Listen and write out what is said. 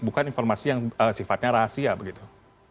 bukan informasi yang sifatnya rahasia begitu